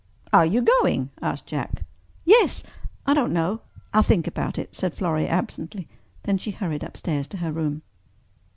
"Are you going?" asked Jack. "Yes—I don't know—I'll think about it," said Florrie absently. Then she hurried upstairs to her room.